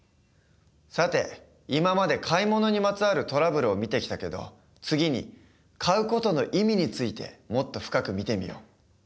さて今まで買い物にまつわるトラブルを見てきたけど次に買う事の意味についてもっと深く見てみよう。